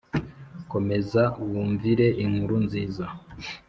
komeza wumvire inkuru nziza